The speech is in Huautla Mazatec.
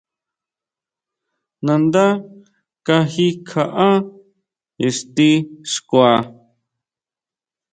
Nandá kaji kjaʼá ixti xkua.